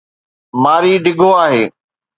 ماري ڊگهو آهي.